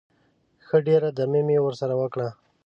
ښه ډېره دمه مې ورسره وکړه.